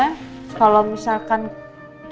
karena kita kelaperan karena hari ini ternyata sekolah